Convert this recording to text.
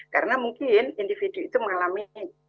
karena mungkin individu itu mengalami